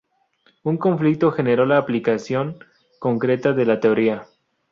Un conflicto generó la aplicación concreta de la teoría.